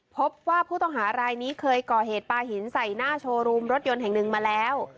พบว่าผู้ต้องหารายนี้เคยก่อเหตุปลาหินใส่หน้าโชว์รูมรถยนต์แห่งหนึ่งมาแล้ว